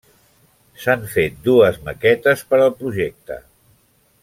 S'han fet dues maquetes per al projecte.